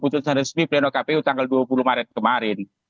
dan dikuatkan melalui keputusan resmi pleno kpu tanggal dua puluh maret kemarin